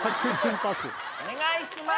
お願いします。